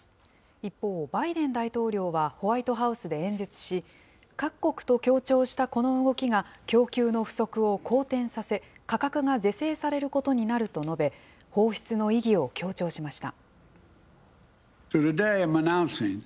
一方、バイデン大統領はホワイトハウスで演説し、各国と協調したこの動きが、供給の不足を好転させ、価格が是正されることになると述べ、放出の意義を強調しました。